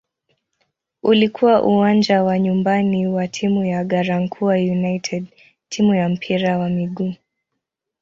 Ulikuwa uwanja wa nyumbani wa timu ya "Garankuwa United" timu ya mpira wa miguu.